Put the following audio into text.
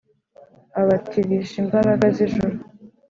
Abatirish' imbaraga z'ijuru.